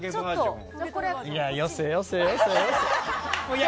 よせよせよせ。